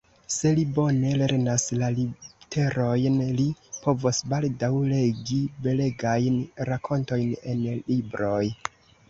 Se li bone lernas la literojn, li povos baldaŭ legi belegajn rakontojn en libroj.